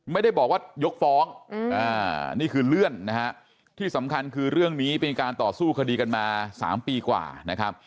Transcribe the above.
ไม่ได้บอกว่ายกฟ้องนี่คือเลื่อนนะฮะที่สำคัญคือเรื่องนี้เป็นการต่อสู้คดีกันมา๓ปีกว่านะครับ